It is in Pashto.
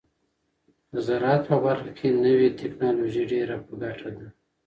د زراعت په برخه کې نوې ټیکنالوژي ډیره په ګټه ده.